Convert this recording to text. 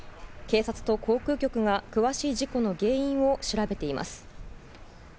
警察と航空局が詳しい事故の原因を調べています。